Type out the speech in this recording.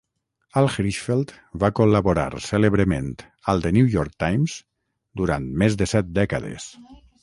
Al Hirschfeld va col·laborar cèlebrement al "The New York Times" durant més de set dècades.